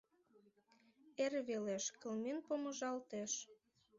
Эр велеш кылмен помыжалтеш.